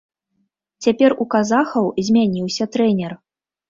Цяпер у казахаў змяніўся трэнер.